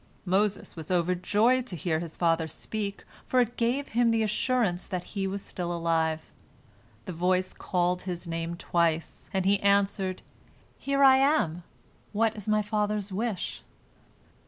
Moses was overjoyed to hear his father speak, for it gave him the assurance that. he was still alive. The voice called his name twice, and he answered, "Here am I! What is my father's wish?"